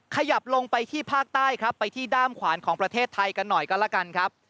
ขยับลงไปที่ภาคใต้ครับไปที่ด้ามขวานของประเทศไทยกันหน่อยก็แล้วกันครับ